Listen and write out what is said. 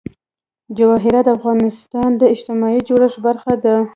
جواهرات د افغانستان د اجتماعي جوړښت برخه ده.